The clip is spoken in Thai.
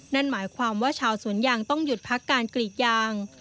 นั่นหมายความว่าชาวสวนยางต้องหยุดพักการกรีดยาง